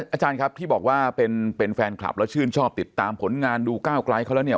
อาจารย์ครับที่บอกว่าเป็นแฟนคลับแล้วชื่นชอบติดตามผลงานดูก้าวไกลเขาแล้วเนี่ย